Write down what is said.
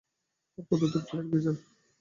আর কতদূরে ফায়ার গিজার?